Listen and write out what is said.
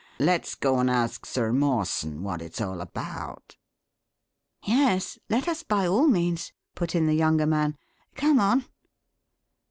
Let's go and ask Sir Mawson what it's all about." "Yes, let us by all means," put in the younger man. "Come on!"